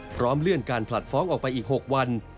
พร้อมเลื่อนการผลัดฟ้องออกไปอีก๖วัน